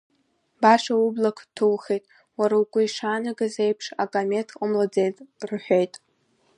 Баша ублақәа ҭухит, уара угәы ишаанагаз еиԥш акаамеҭ ҟамлаӡеит, — рҳәеит…